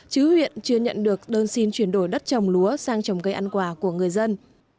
chứ huyện chưa nhận được đơn xin chuyển đổi đất trồng lúa sang trồng cây ăn quả của người dân